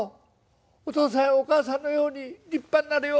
お父さんやお母さんのように立派になれよ！